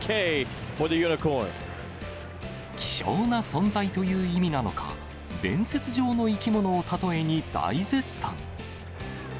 希少な存在という意味なのか、伝説上の生き物を例えに大絶賛。